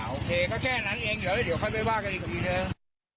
โอเคก็แค่นั้นเองเดี๋ยวค่อยไปว่ากันอีกทีนึง